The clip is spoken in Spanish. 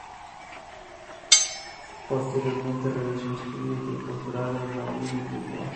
Posteriormente realizó estudios de postgrado en Madrid y Lisboa.